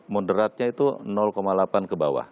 moderatnya itu delapan ke bawah